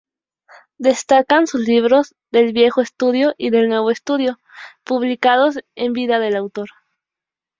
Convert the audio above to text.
Destacan sus libros "Del viejo estudio" y "Del nuevo estudio",publicados en vida del autor.